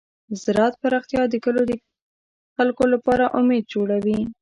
د زراعت پراختیا د کلیو د خلکو لپاره امید جوړوي.